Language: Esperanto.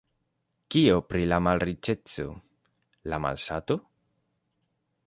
Kio pri la malriĉeco, la malsato?